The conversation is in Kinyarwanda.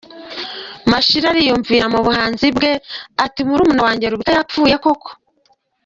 Mashira ariyumvira mu buhanuzi bwe ati "Murumuna wanjye Rubika yapfuye koko.